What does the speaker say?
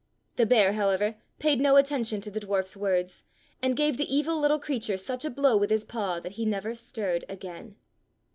The bear, however, paid no attention to the dwarf's words, and gave the evil little creature such a blow with his paw that he never stirred again.